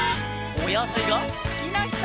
「おやさいがすきなひと？」